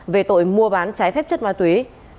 về tội mua bán trái phép chất ma túy